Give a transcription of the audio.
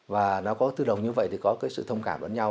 và nó có tư đồng như vậy thì có cái sự thông cảm lẫn nhau